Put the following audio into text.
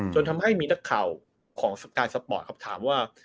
จนทำให้มีนักข่าวของสไตล์สปอร์ตครับถามว่า